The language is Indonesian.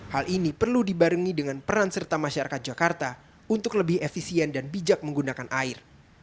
hal ini perlu dibarengi dengan peran serta masyarakat jakarta untuk lebih efisien dan bijak menggunakan air